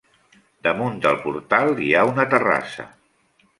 Damunt el portal hi ha una terrassa.